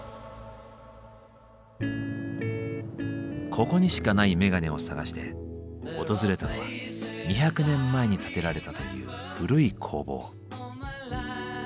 ここにしかないメガネを探して訪れたのは２００年前に建てられたという古い工房。